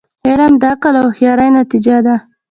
علم د عقل او هوښیاری نتیجه ده.